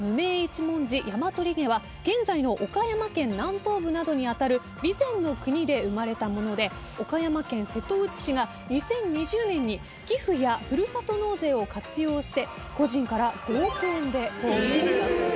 現在の岡山県南東部などにあたる備前国で生まれたもので岡山県瀬戸内市が２０２０年に寄付やふるさと納税を活用して個人から５億円で購入したそうです。